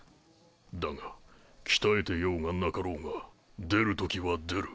だがきたえてようがなかろうが出る時は出る。